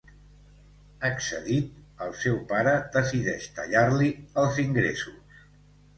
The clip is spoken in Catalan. Excedit, el seu pare decideix tallar-li els ingressos.